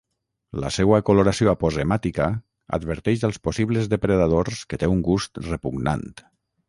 La seua coloració aposemàtica adverteix als possibles depredadors que té un gust repugnant.